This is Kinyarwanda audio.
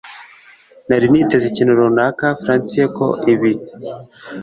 Nari niteze ikintu runaka fancier ko ibi